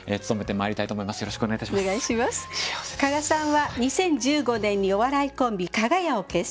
加賀さんは２０１５年にお笑いコンビかが屋を結成。